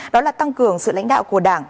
đó là tăng cường sự lãnh đạo của đảng